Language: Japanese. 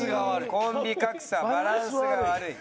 コンビ格差バランスが悪い。